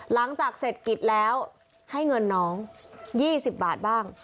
หลังจากเสร็จกิจแล้วให้เงินน้อง๒๐บาทบ้าง